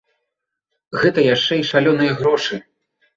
Гэта яшчэ і шалёныя грошы.